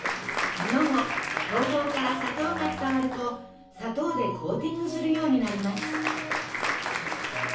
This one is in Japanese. その後東方から砂糖が伝わると砂糖でコーティングするようになります。